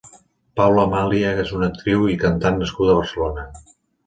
Paula Malia és una actriu i cantant nascuda a Barcelona.